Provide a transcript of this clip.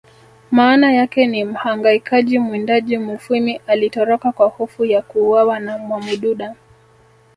maana yake ni mhangaikaji mwindaji Mufwimi alitoroka kwa hofu ya kuuawa na mwamududa